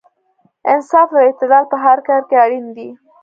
انصاف او اعتدال په هر کار کې اړین دی.